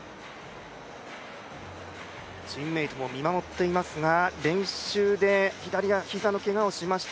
チームメートも見守っていますが、練習で左膝のけがをしました